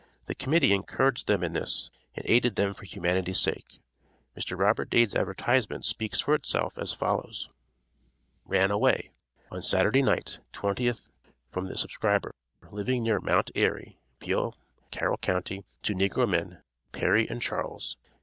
The Committee encouraged them in this, and aided them for humanity's sake. Mr. Robert Dade's advertisement speaks for itself as follows: RAN AWAY On Saturday night, 20th inst., from the subscriber, living near Mount Airy P.O., Carroll county, two Negro men, PERRY and CHARLES.